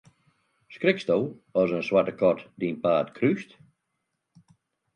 Skriksto as in swarte kat dyn paad krúst?